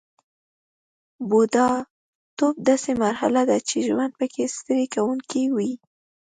بوډاتوب داسې مرحله ده چې ژوند پکې ستړي کوونکی وي